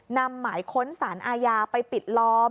นำหมายค้นสารอาญาไปปิดล้อม